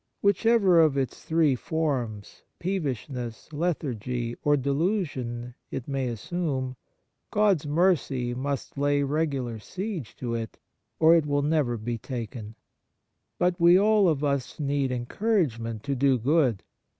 Whichever of its three forms — peevishness, lethargy, or delusion — it may assume, God's mercy must lay regular siege to it, or it will never be taken. But we all of us need en couragement to do good.